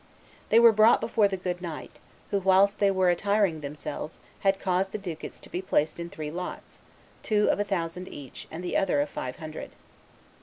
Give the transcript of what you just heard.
They were brought before the good knight, who, whilst they were attiring themselves, had caused the ducats to be placed in three lots, two of a thousand each, and the other of five hundred.